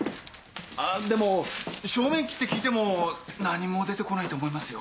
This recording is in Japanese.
あでも正面切って聞いても何も出てこないと思いますよ。